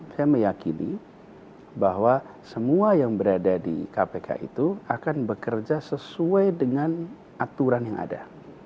saya meyakini bahwa semua yang berada di kpk itu akan bekerja sesuai dengan aturan yang ada